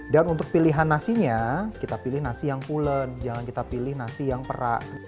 dan untuk pilihan nasinya kita pilih nasi yang coolen jangan kita pilih nasi yang perak